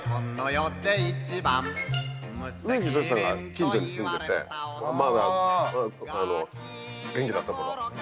植木等さんが近所に住んでてまだ元気だった頃。